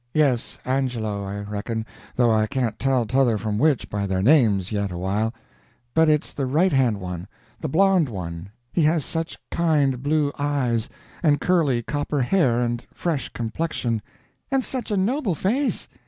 "Yes, Angelo, I reckon, though I can't tell t'other from which by their names, yet awhile. But it's the right hand one the blond one. He has such kind blue eyes, and curly copper hair and fresh complexion " "And such a noble face!